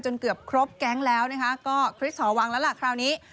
เกือบครบแก๊งแล้วนะคะก็คริสหอวังแล้วล่ะคราวนี้